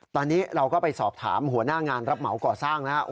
ตอนนี้เราก็ไปสอบถามหัวหน้างานรับเหมาก่อสร้างนะครับ